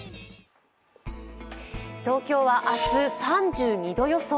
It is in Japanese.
東京は明日、３２度予想。